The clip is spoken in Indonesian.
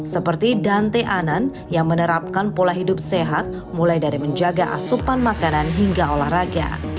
seperti dante anan yang menerapkan pola hidup sehat mulai dari menjaga asupan makanan hingga olahraga